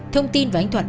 thông tin của anh thuận